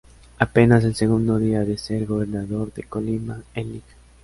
Apenas al segundo día de ser gobernador de Colima, el lic.